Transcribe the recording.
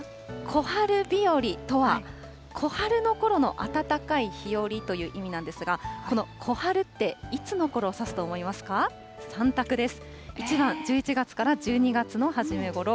小春日和とは、小春のころの暖かい日和という意味なんですが、この小春って、いつのころをさすと思いますか、３たくです。